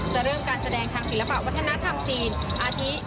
เริ่มการแสดงทางศิลปะวัฒนธรรมจีนอาทิ